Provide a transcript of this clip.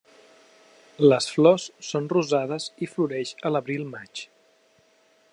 Les flors són rosades i floreix a l'abril-maig.